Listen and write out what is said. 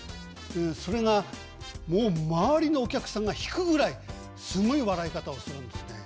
それがもう周りのお客さんが引くぐらいすごい笑い方をするんですね。